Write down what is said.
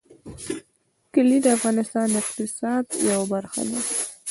کلي د افغانستان د اقتصاد یوه برخه ده.